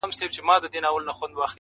• مړ مي مړوند دی،